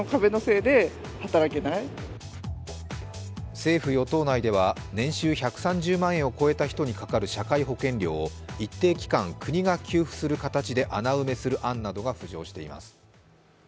政府・与党内では年収１３０万円を超えた人にかかる社会保険料を一定期間、国が給付する形で穴埋めする案などが浮上しています。